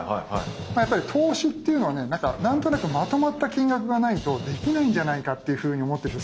やっぱり投資っていうのはね何となくまとまった金額がないとできないんじゃないかっていうふうに思ってる人